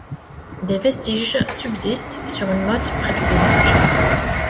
Des vestiges subsistent sur une motte près du village.